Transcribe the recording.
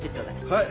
はい。